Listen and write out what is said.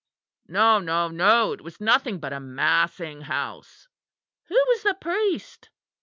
No, no, no! it was nothing but a massing house. Who was the priest?